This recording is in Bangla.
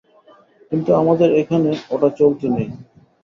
কিন্তু আমাদের এখানে ওটা চলতি নেই।